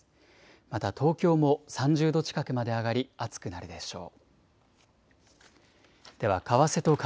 また東京も３０度近くまで上がり暑くなるでしょう。